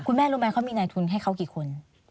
แม่รู้ไหมเขามีนายทุนให้เขากี่คน